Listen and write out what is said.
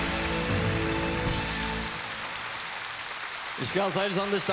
石川さゆりさんでした。